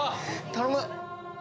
頼む